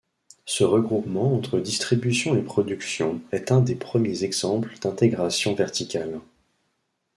Ce regroupement entre distribution et production est un des premiers exemples d'intégration verticale.